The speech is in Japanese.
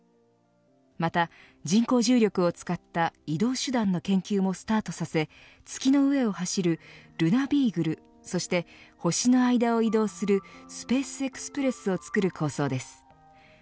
また人工重力を使った移動手段の研究もスタートさせ月の上を走るルナビーグルそして、星の間を移動するスペースエクスプレスを作る構想です。